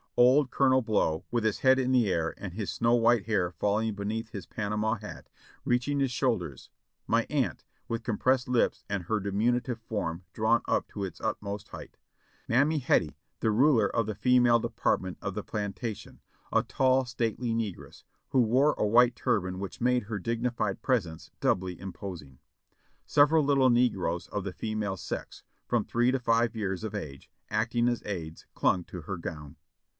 Old Colonel Blow, with his head in the air and his snow white hair falling beneath his Panama hat, reaching his shoulders; my aunt, with compressed lips and her diminutive form drawn up to its ut most height; Mammy Hettie, the ruler of the female department of the plantation, a tall, stately negress, who wore a white turban which made her dignified presence doubly imposing; several little negroes of the female sex, from three to five years of age, acting as aides, clung to her gown.